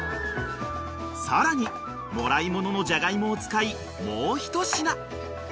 ［さらにもらいもののジャガイモを使いもう一品］